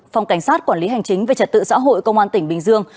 phòng cảnh sát quản lý hành chính về trật tự xã hội công an tỉnh bình dương